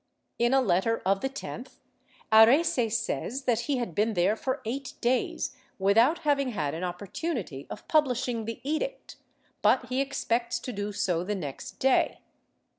In a letter of the 10th, Arrese says that he had been there for eight days, without having had an opportunity of publishing the edict, but he expects to do so the next day.